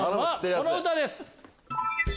この歌です！